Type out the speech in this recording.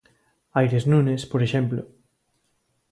Aires Nunes, por exemplo.